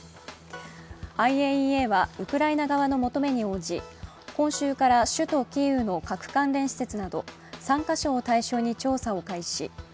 ＩＡＥＡはウクライナ側の求めに応じ、今週から首都キーウの核関連施設など３か所を対象に調査を開始。